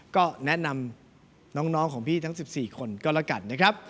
ก็แนะนำน้องของพี่ทั้ง๑๔คนก็แล้วกันนะครับ